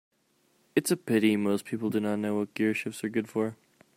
It's a pity most people do not know what gearshifts are good for.